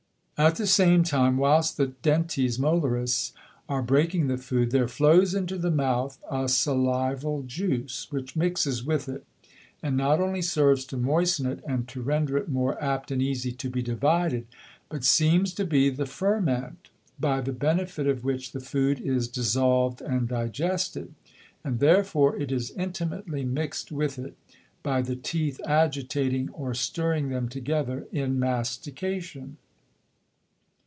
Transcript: At the same time, whilst the Dentes Molares are breaking the Food, there flows into the Mouth a Salival Juice, which mixes with it, and not only serves to moisten it, and to render it more apt and easie to be divided, but seems to be the Ferment, by the Benefit of which the Food is dissolved and digested. And therefore it is intimately mixed with it, by the Teeth agitating or stirring them together in Mastication.